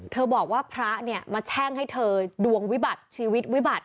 บอกว่าพระเนี่ยมาแช่งให้เธอดวงวิบัติชีวิตวิบัติ